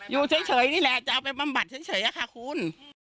อยู่เฉยนี่แหละจะเอาไปบำบัดเฉยอะค่ะคุณ